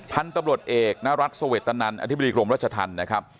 ท่านตังบริโรธเอกณรัฐโสเวียตตนันอธิบดีกรมราชธรรมนี้ครับ